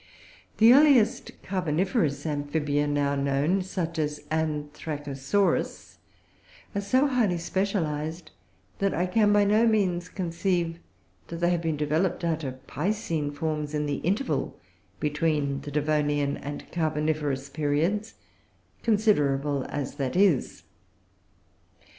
The earliest Carboniferous Amphibia now known, such as Anthracosaurus, are so highly specialised that I can by no means conceive that they have been developed out of piscine forms in the interval between the Devonian and the Carboniferous periods, considerable as that is.